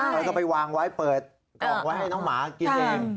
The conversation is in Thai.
เราก็ไปวางไว้เปิดกล่องไว้ให้น้องหมากินเอง